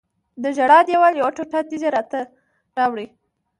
د ژړا دیوال یوه ټوټه تیږه راته راوړه.